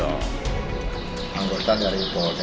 anggota dari polga